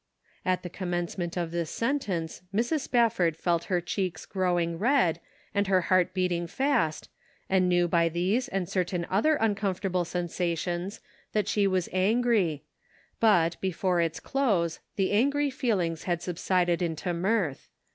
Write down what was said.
At the commencement of this sentence, Mrs. Spafford felt her cheeks growing red, and her heart beating fast, and knew by these and certain other uncomfortable sensations that she was angry, but, before its close, the angry feelings had subsided into mirth.